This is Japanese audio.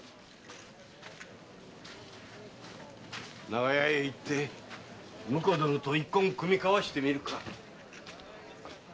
長屋へ行って婿殿と一献酌み交わしてみるか。